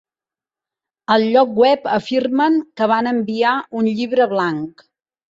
Al lloc web afirmen que van enviar un llibre blanc.